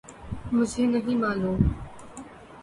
مجھے نہیں معلوم